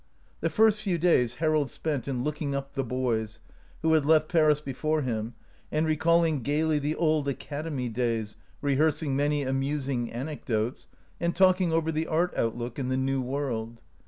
The first few days Harold spent in look ing up " the boys," who had left Paris before him, and recalling gaily the old academy days, rehearsing many amusing anecdotes, and talking over the art outlook in the New World.